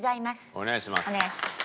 お願いします。